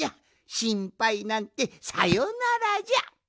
しんぱいなんてさよならじゃ！